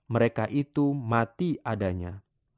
mereka itu mati adanya